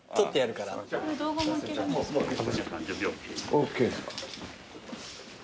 ＯＫですか？